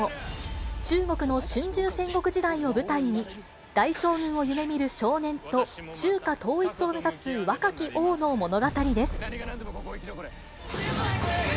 中国の春秋戦国時代を舞台に、大将軍を夢みる少年と中華統一を目指す若き王の物語です。